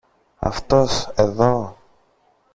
Αυτός, εδώ!